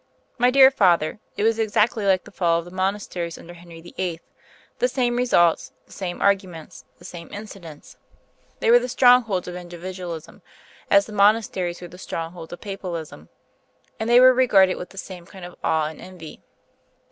"My dear father, it was exactly like the fall of the Monasteries under Henry VIII the same results, the same arguments, the same incidents. They were the strongholds of Individualism, as the Monasteries were the strongholds of Papalism; and they were regarded with the same kind of awe and envy.